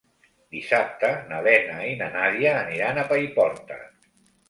Dissabte na Lena i na Nàdia aniran a Paiporta.